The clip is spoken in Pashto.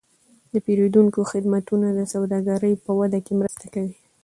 د پیرودونکو خدمتونه د سوداګرۍ په وده کې مرسته کوي.